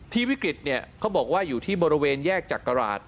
ที่วิกฤตเนี่ยเขาบอกว่าอยู่ที่บริเวณแยกจากกระหลาด